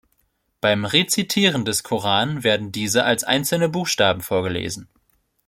Beim Rezitieren des Koran werden diese als einzelne Buchstaben vorgelesen.